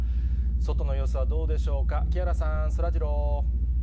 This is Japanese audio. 外の様子はどうでしょうか、木原さん、そらジロー。